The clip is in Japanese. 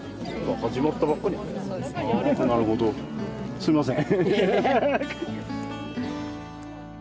すいません。